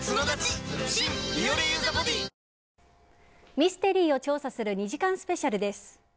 ミステリーを調査する２時間スペシャルです。